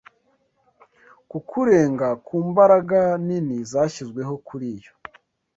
Ku kurenga ku mbaraga nini zashyizweho kuriyo